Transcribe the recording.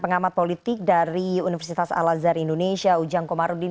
pengamat politik dari universitas al azhar indonesia ujang komarudin